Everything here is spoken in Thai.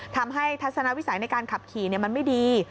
ทัศนวิสัยในการขับขี่มันไม่ดี